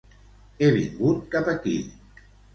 He vingut cap aquí.